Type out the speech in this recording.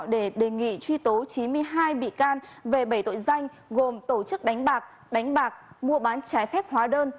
để đề nghị truy tố chín mươi hai bị can về bảy tội danh gồm tổ chức đánh bạc đánh bạc mua bán trái phép hóa đơn